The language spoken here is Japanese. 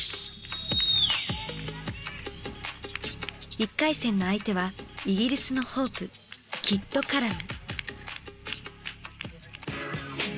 １回戦の相手はイギリスのホープキッドカラム。